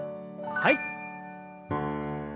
はい。